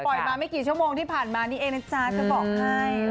มาไม่กี่ชั่วโมงที่ผ่านมานี่เองนะจ๊ะจะบอกให้